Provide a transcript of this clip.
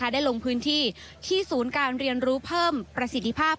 ได้ลงพื้นที่ที่ศูนย์การเรียนรู้เพิ่มประสิทธิภาพ